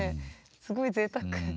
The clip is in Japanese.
すごいぜいたく。